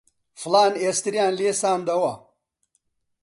فڵان ئێستریان لێ ساندووە